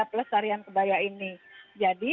pelestarian kebaya ini jadi